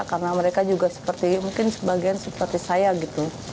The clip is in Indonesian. karena mereka juga seperti mungkin sebagian seperti saya gitu